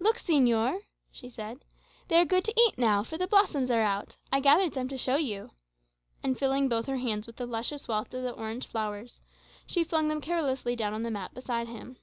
"Look, señor," she said, "they are good to eat now, for the blossoms are out.[#] I gathered some to show you;" and filling both her hands with the luscious wealth of the orange flowers, she flung them carelessly down on the mat beside him.